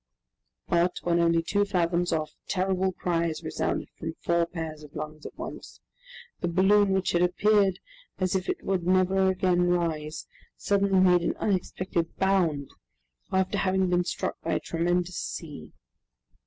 But, when only two fathoms off, terrible cries resounded from four pairs of lungs at once. The balloon, which had appeared as if it would never again rise, suddenly made an unexpected bound, after having been struck by a tremendous sea.